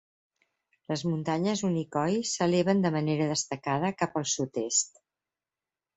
Les muntanyes Unicoi s'eleven de manera destacada cap al sud-est.